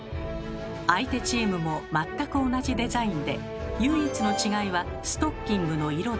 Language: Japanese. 相手チームも全く同じデザインで唯一の違いはストッキングの色だけでした。